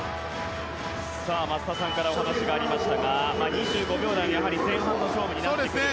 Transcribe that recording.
松田さんからお話がありましたが２５秒台の前半の勝負になってくると。